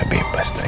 ya ampun andi